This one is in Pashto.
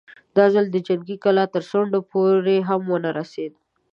دا ځل د جنګي کلا تر څنډو پورې هم ونه رسېد.